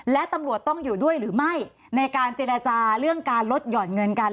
และตำรวจต้องอยู่ด้วยหรือไม่ในการเจรจาเรื่องการลดห่อนเงินกัน